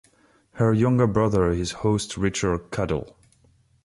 Her younger brother is host Richard Cadell.